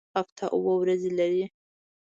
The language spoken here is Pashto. هفته اووه ورځې لري